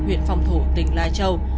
huyện phong thổ tỉnh lai châu